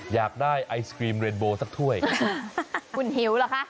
อยากได้ไอศกรีมเรนโบสักถ้วยคุณหิวเหรอคะ